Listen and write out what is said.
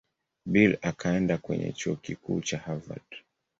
Bill akaenda kwenye Chuo Kikuu cha Harvard.